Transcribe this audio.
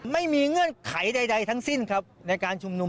เงื่อนไขใดทั้งสิ้นครับในการชุมนุม